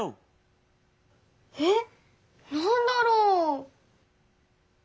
えっなんだろう？